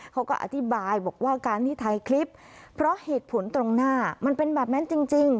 เขาก็อธิบายบอกว่าการที่ถ่ายคลิปเพราะเหตุผลตรงหน้ามันเป็นแบบนั้นจริง